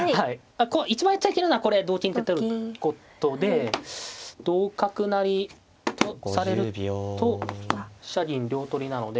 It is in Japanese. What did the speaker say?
一番やっちゃいけないのはこれ同金て取ることで同角成とされると飛車銀両取りなので。